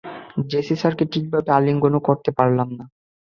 JC স্যারকে ঠিকভাবে আলিঙ্গনও করতে পারলাম না।